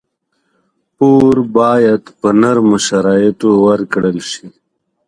پور باید په نرمو شرایطو ورکړل شي.